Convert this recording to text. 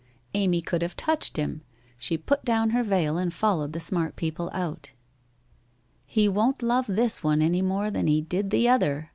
Amy could have touched him. She put down her veil and followed the smart people out. ' He won't love this one any more than he did the other